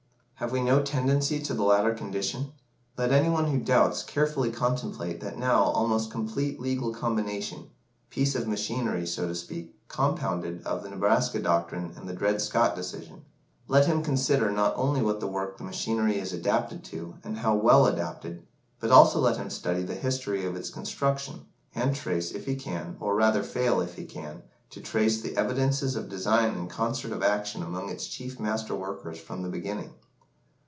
"Have we no tendency to the latter condition? Let any one who doubts carefully contemplate that now almost complete legal combination piece of machinery, so to speak compounded of the Nebraska doctrine and the Dred Scott decision. Let him consider not only what work the machinery is adapted to do, and how well adapted, but also let him study the history of its construction, and trace, if he can, or rather fail, if he can, to trace the evidences of design and concert of action among its chief master workers from the beginning."